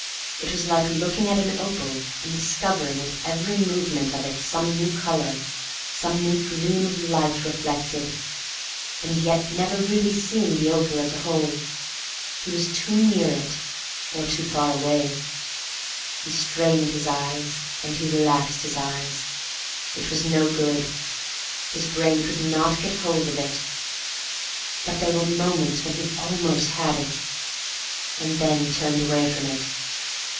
It was like looking at an opal, and discovering with every movement of it some new colour, some new gleam of light reflected, and yet never really seeing the opal as a whole. He was too near it, or too far away; he strained his eyes and he relaxed his eyes; it was no good. His brain could not get hold of it. But there were moments when he almost had it.... and then turned away from it.